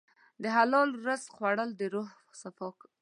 د حلال رزق خوړل د روح صفا ده.